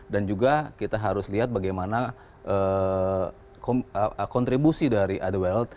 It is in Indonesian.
dan juga kita harus lihat bagaimana kontribusi dari edouard